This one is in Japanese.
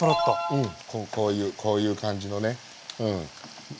うんこういう感じのねうん。